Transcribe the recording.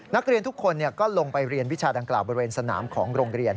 นักเรียนทุกคนก็ลงไปเรียนวิชาดังกล่าวบริเวณสนามของโรงเรียน